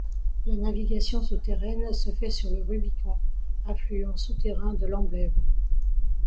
La navigation souterraine se fait sur le Rubicon, affluent souterrain de l'Amblève.